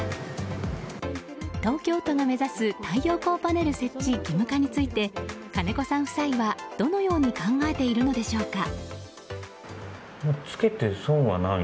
東京都が目指す太陽光パネル設置義務化について金子さん夫妻はどのように考えているのでしょうか？